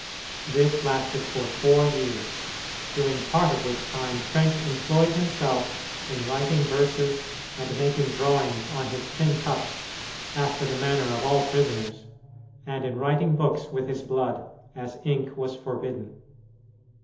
This lasted for four years, during part of which time Trenck employed himself in writing verses and making drawings on his tin cups, after the manner of all prisoners, and in writing books with his blood, as ink was forbidden.